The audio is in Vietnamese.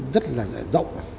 rất là rộng